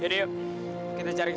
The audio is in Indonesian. tadi ada di situ kak